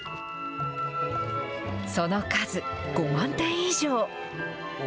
その数、５万点以上。